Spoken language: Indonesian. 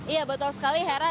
iya betul sekali hera